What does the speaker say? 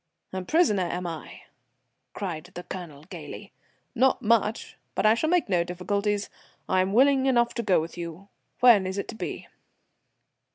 "A prisoner, am I?" cried the Colonel, gaily. "Not much. But I shall make no difficulties. I am willing enough to go with you. When is it to be?"